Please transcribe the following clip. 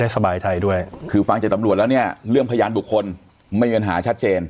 สบายใจด้วยคือฟังจากตำรวจแล้วเนี่ยเรื่องพยานบุคคลไม่มีปัญหาชัดเจน